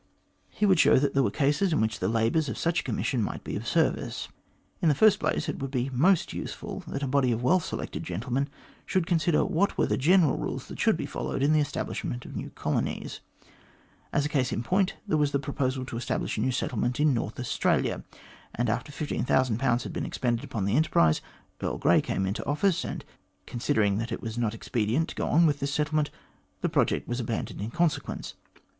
He would show that there were cases in which the labours of such a commission might be of service. In the first place, it would be most useful that a body of well selected gentlemen should consider what were the general rules that should be followed in the establishment of new colonies. As a case in point, there was the proposal to establish a new settlement in North Australia, and after 15,000 had been expended upon the enterprise, Earl Grey came into office, and, considering that it was not expedient to go on with this settlement, the project was abandoned in consequence.